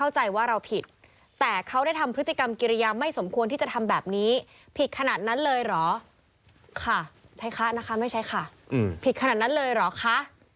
ใช้คะนะคะไม่ใช่ค่ะผิดขนาดนั้นเลยเหรอคะ